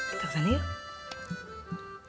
kita kesana yuk